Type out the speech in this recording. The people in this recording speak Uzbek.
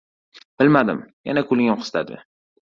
Bilmadim, yana kulgim qistadi.